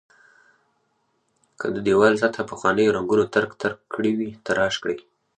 که د دېوال سطحه پخوانیو رنګونو ترک ترک کړې وي تراش کړئ.